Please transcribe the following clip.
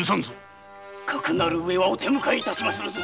かくなるうえはお手向かい致しまするぞ。